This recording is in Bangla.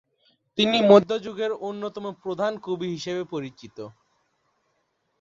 তিনি মধ্যযুগের অন্যতম প্রধান কবি হিসাবে পরিচিত।